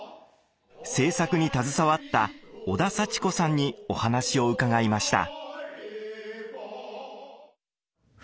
制作に携わった小田幸子さんにお話を伺いました。